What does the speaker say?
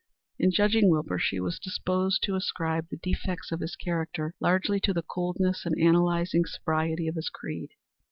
In judging Wilbur she was disposed to ascribe the defects of his character largely to the coldness and analyzing sobriety of his creed.